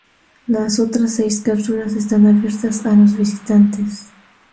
Las otras seis cápsulas están abiertas a los visitantes.